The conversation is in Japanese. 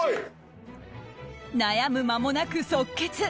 悩む間もなく即決。